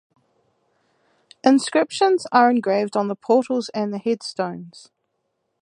Inscriptions are engraved on the portals and the headstones.